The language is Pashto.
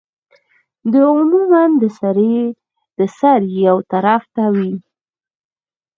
دا عموماً د سر يو طرف ته وی